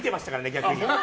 逆に。